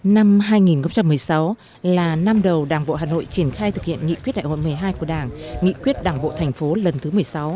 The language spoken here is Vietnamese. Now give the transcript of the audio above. năm hai nghìn một mươi sáu là năm đầu đảng bộ hà nội triển khai thực hiện nghị quyết đại hội một mươi hai của đảng nghị quyết đảng bộ thành phố lần thứ một mươi sáu